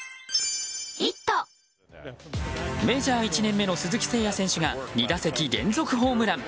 メジャー１年目の鈴木誠也選手が２打席連続ホームラン。